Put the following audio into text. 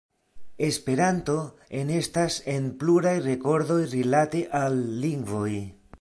Esperanto enestas en pluraj rekordoj rilate al lingvoj.